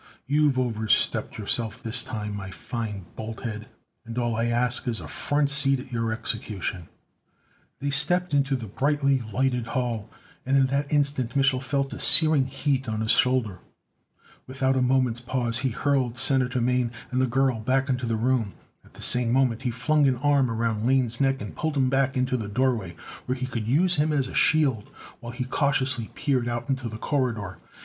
You've overstepped yourself this time, my fine bolthead, and all I ask is a front seat at your execution!" They stepped into the brightly lighted hall, and in that instant Mich'l felt a searing heat on his shoulder. Without a moment's pause he hurled Senator Mane and the girl back into the room. At the same moment he flung an arm around Lane's neck and pulled him back into the doorway, where he could use him as a shield while he cautiously peered out into the corridor.